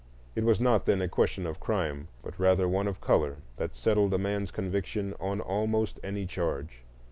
It was not then a question of crime, but rather one of color, that settled a man's conviction on almost any charge.